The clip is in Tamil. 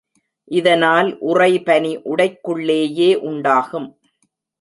இதனால் உறைபனி உடைக்குள்ளேயே உண்டாகும்.